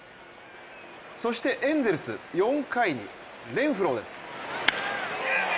そしてエンゼルス、４回にレンフローです。